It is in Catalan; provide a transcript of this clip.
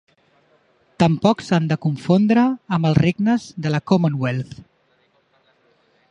Tampoc s'han de confondre amb els regnes de la Commonwealth.